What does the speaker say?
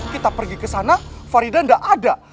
kita pergi ke sana faridah tidak ada